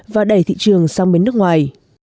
và đẩy thị trường sang bên nước ngoài